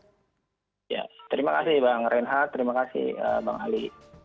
ya terima kasih bang reinhardt terima kasih bang ali